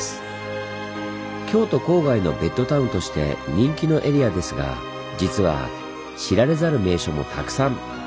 京都郊外のベッドタウンとして人気のエリアですが実は知られざる名所もたくさん！